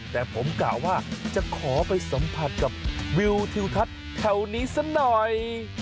แต่ผมกะว่าจะขอไปสัมผัสกับวิวทิวทัศน์แถวนี้สักหน่อย